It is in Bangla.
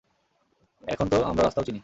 এখন তো আমরা রাস্তাও চিনি।